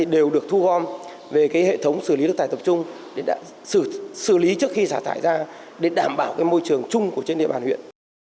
đều được thu gom về hệ thống xử lý nước thải tập trung để xử lý trước khi xả thải ra để đảm bảo môi trường chung trên địa bàn huyện